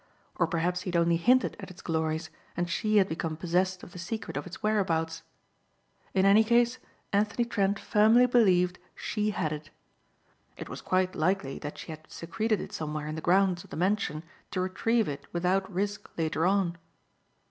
Or perhaps he had only hinted at its glories and she had become possessed of the secret of its whereabouts. In any case Anthony Trent firmly believed she had it. It was quite likely that she had secreted it somewhere in the grounds of the mansion to retrieve it without risk later on.